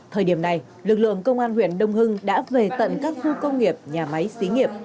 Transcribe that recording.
thời điểm này lực lượng công an huyện đông hưng đã về tận các khu công nghiệp nhà máy xí nghiệp